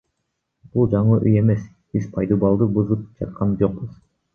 Бул жаңы үй эмес, биз пайдубалды бузуп жаткан жокпуз.